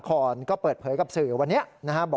หนุโมแล้วก็เปิดเผยกับสื่ออยู่วันนี้นะครับ